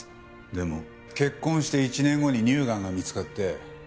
でも結婚して１年後に乳がんが見つかって。